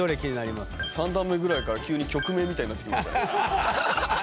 ３段目ぐらいから急に曲名みたいになってきました。